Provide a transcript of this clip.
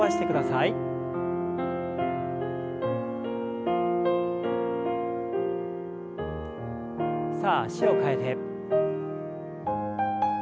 さあ脚を替えて。